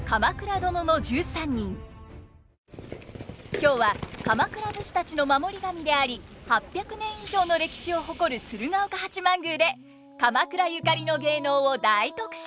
今日は鎌倉武士たちの守り神であり８００年以上の歴史を誇る鶴岡八幡宮で鎌倉ゆかりの芸能を大特集！